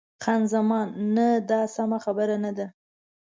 خان زمان: نه، دا سمه خبره نه ده.